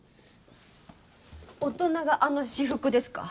大人があの私服ですか？